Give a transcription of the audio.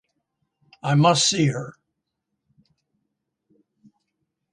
I must see her.